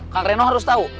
kang reno harus tahu